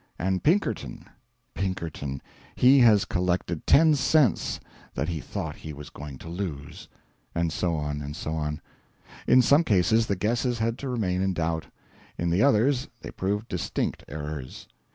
"And Pinkerton Pinkerton he has collected ten cents that he thought he was going to lose." And so on, and so on. In some cases the guesses had to remain in doubt, in the others they proved distinct errors.